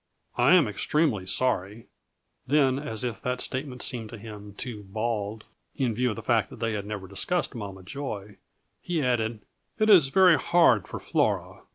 I am extremely sorry." Then, as if that statement seemed to him too bald, in view of the fact that they had never discussed Mama Joy, he added, "It is very hard for Flora.